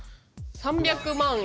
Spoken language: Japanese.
３００万円。